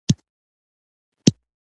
ما پرون يو کورنى کار وليکى.